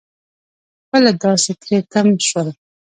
خپله داسې تری تم شول.